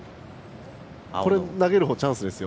これ、投げるほうチャンスですよ。